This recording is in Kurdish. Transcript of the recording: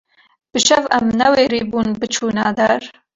bi şev em newêribûn biçûna der